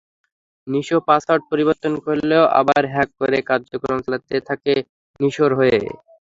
Nisho password পরিবর্তন করলেও আবার হ্যাক করে কার্যক্রম চালাতে থাকে নিশোর হয়ে।